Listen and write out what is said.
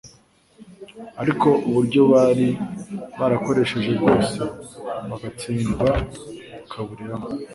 ariko uburyo bari barakoresheje bwose bagatsindwa bukaburiramo.